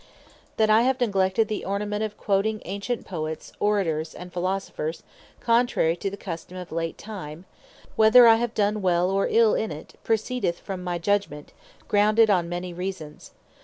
That I have neglected the Ornament of quoting ancient Poets, Orators, and Philosophers, contrary to the custome of late time, (whether I have done well or ill in it,) proceedeth from my judgment, grounded on many reasons.